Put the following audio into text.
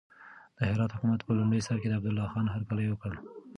د هرات حکومت په لومړي سر کې د عبدالله خان هرکلی وکړ.